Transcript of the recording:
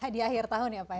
di akhir tahun ya pak ya